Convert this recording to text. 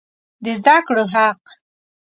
د زده کړو حق